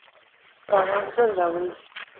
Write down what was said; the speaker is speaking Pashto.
باران ژوند راوړي.